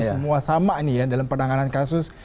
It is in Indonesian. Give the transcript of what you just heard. semua sama dalam penanganan kasus